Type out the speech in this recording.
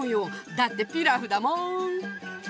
だってピラフだもん！